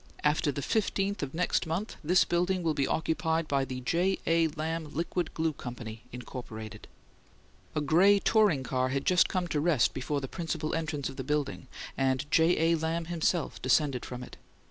"AFTER THE FIFTEENTH OF NEXT MONTH THIS BUILDING WILL BE OCCUPIED BY THE J. A. LAMB LIQUID GLUE CO. INC." A gray touring car had just come to rest before the principal entrance of the building, and J. A. Lamb himself descended from it.